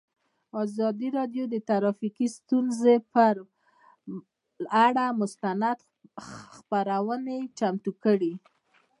ازادي راډیو د ټرافیکي ستونزې پر اړه مستند خپرونه چمتو کړې.